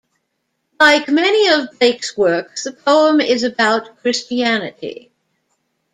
Like many of Blake's works, the poem is about Christianity.